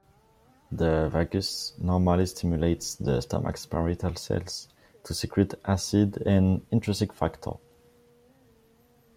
The vagus normally stimulates the stomach's parietal cells to secrete acid and intrinsic factor.